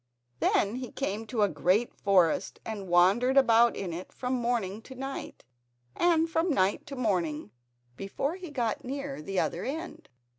Then he came to a great forest and wandered about in it from morning to night and from night to morning before he got near the other end.